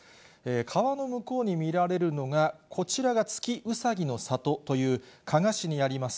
川の向こうに見られるのが、こちらが、月うさぎの里という、加賀市にあります